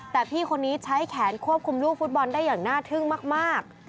แต่พี่คนนี้ใช้แขนควบคุมลูกฟุตบอลได้อย่างน่าทึ่งมาก